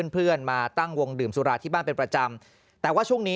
เพื่อนมาตั้งวงดื่มสุราที่บ้านเป็นประจำแต่ว่าช่วงนี้